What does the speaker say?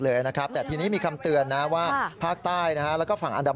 เลยนะครับแต่ทีนี้มีคำเตือนนะว่าภาคใต้นะฮะแล้วก็ฝั่งอันดับ